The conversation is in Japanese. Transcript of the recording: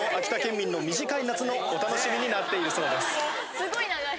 すごい長い。